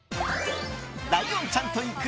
ライオンちゃんと行く！